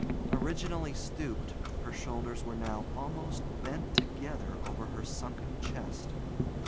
Originally stooped, her shoulders were now almost bent together over her sunken chest.